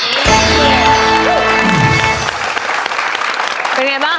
หนึ่งหมื่นบาท